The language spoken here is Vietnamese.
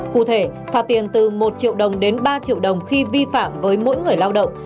cụ thể phạt tiền từ một triệu đồng đến ba triệu đồng khi vi phạm với mỗi người lao động